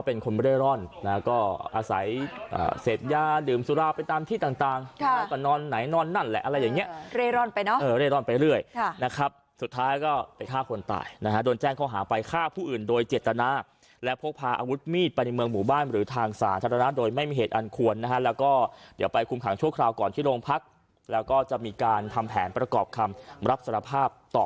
ต้องบอกว่าในจุยเหลี่ยเขาไม่ได้มีบ้านเป็นหลักเป็นแหลงนะครับ